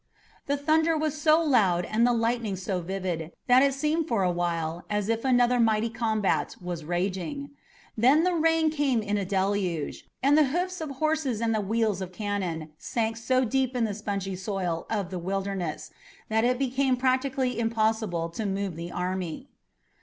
The thunder was so loud and the lightning so vivid that it seemed for a while as if another mighty combat were raging. Then the rain came in a deluge, and the hoofs of horses and the wheels of cannon sank so deep in the spongy soil of the Wilderness that it became practically impossible to move the army.